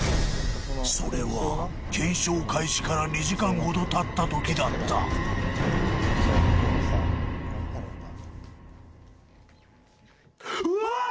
それは検証開始から２時間ほどたった時だったうわーっ！